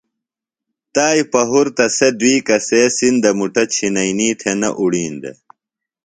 تائی پہُرتہ سے دُئی کسے سِندہ مُٹہ چِھئینی تھےۡ نہ اُڑِین دےۡ۔